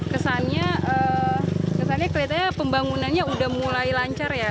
kesannya kesannya kelihatannya pembangunannya sudah mulai lancar ya